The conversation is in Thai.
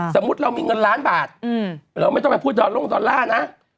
สมมุติเรามีเงินล้านบาทเราไม่ต้องไปพูดดอลโล่งดอลลาร์นะ